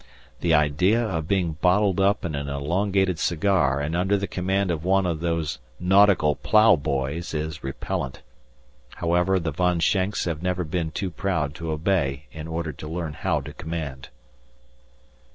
The idea of being bottled up in an elongated cigar and under the command of one of those nautical plough boys is repellent. However, the Von Schenks have never been too proud to obey in order to learn how to command.